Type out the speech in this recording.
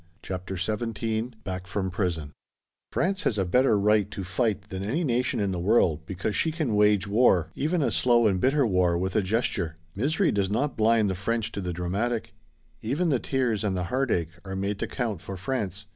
CHAPTER XVII BACK FROM PRISON France has a better right to fight than any nation in the world because she can wage war, even a slow and bitter war, with a gesture. Misery does not blind the French to the dramatic. Even the tears and the heartache are made to count for France.